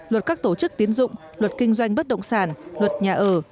luật các tổ chức tiến dụng luật kinh doanh bất động sản luật nhà ở